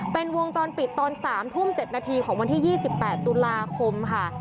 เป็นวงจรปิดตอน๓ทุ่ม๗นาทีของวันที่๒๘ตุลาคมค่ะ